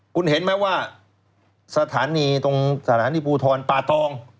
คุณเห็นไหมว่าสถานีตรงสถานีภูทรป่าตอง